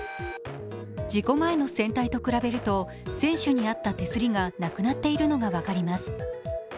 事故前の船体と比べると船首にあった手すりがなくなっているのが分かります。